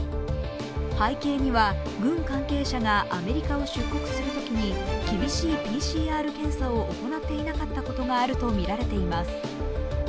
背景には、軍関係者がアメリカを出国するときに厳しいＰＣＲ検査を行っていなかったことがあるとみられています。